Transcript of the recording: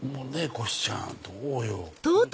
こひちゃんどうよ？